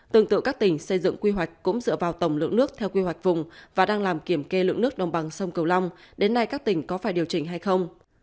tương tự các tỉnh xây dựng quy hoạch cũng dựa vào tổng lượng nước theo quy hoạch vùng và đang làm kiểm kê lượng nước đồng bằng sông cầu long đến nay các tỉnh có phải điều chỉnh hay không